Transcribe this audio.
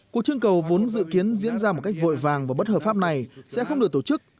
cuộc trưng cầu vốn dự kiến diễn ra một cách vội vàng và bất hợp pháp này sẽ không được tổ chức